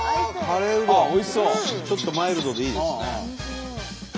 ちょっとマイルドでいいですね。